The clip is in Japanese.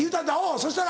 そしたら？